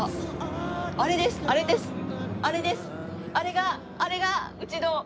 あれがあれがうちの彼です。